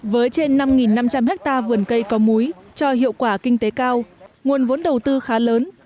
với trên năm năm trăm linh hectare vườn cây có múi cho hiệu quả kinh tế cao nguồn vốn đầu tư khá lớn